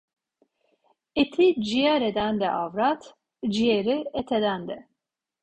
Eti ciğer eden de avrat, ciğeri et eden de.